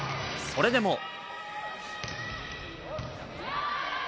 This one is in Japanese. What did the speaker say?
それでも。